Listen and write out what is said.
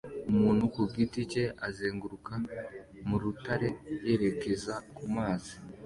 Umuntu ku giti cye azenguruka mu rutare yerekeza ku mazi